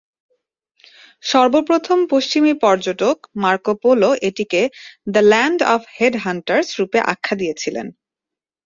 সর্বপ্রথম পশ্চিমী পর্যটক মার্কো পোলো এটিকে ‘দ্য ল্যান্ড অফ হেড-হান্টারস’ রূপে আখ্যা দিয়েছিলেন।